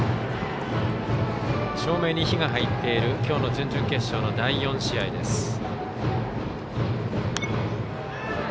照明に灯が入っているきょうの準々決勝の第４試合です。